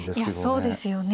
いやそうですよね。